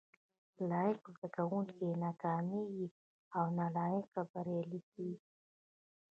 لایق زده کوونکي ناکامیږي او نالایق بریالي کیږي